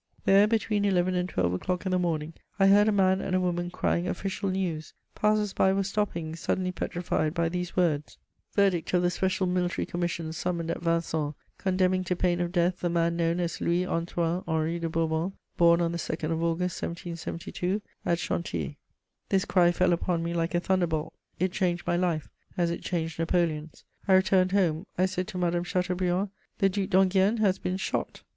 There, between eleven and twelve o'clock in the morning, I heard a man and a woman crying official news; passers by were stopping, suddenly petrified by these words: "Verdict of the special military commission summoned at Vincennes, condemning to pain of death THE MAN KNOWN AS LOUIS ANTOINE HENRI DE BOURBON, BORN ON THE 2ND OF AUGUST 1772 AT CHANTILLY." [Sidenote: Death of the Duc D'Enghien.] This cry fell upon me like a thunderbolt; it changed my life, as it changed Napoleon's. I returned home; I said to Madame Chateaubriand: "The Duc d'Enghien has been shot."